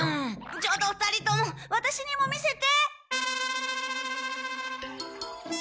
ちょっと２人ともワタシにも見せて！